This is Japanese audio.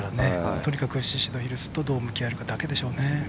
とにかく宍戸ヒルズとどう向き合えるかだけですね。